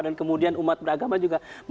dan kemudian umat beragama juga